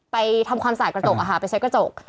ไปทำความสายกระจกอาหารไปเช็ดกระจก